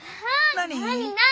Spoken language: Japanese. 何？